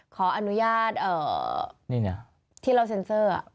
ขออนุญาตที่เราเซ็นเซอร์